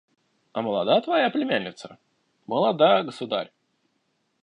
– «А молода твоя племянница?» – «Молода, государь».